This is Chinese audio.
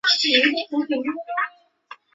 团山并殖吸虫为并殖科并殖属的动物。